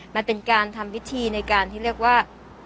มันเป็นการทำพิธีในการที่เรียกว่า